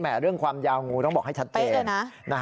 เรื่องความยาวงูต้องบอกให้ชัดเจน